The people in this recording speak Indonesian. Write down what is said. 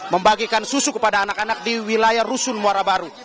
membagikan susu kepada anak anak di wilayah rusun muara baru